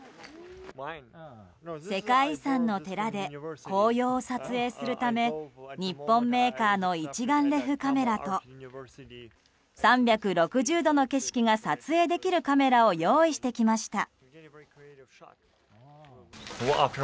世界遺産の寺で紅葉を撮影するため日本メーカーの一眼レフカメラと３６０度の景色が撮影できるカメラを用意してきました。